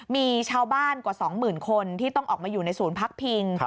มีชาวบ้านกว่า๒๐๐๐คนที่ต้องออกมาอยู่ในศูนย์พักพิง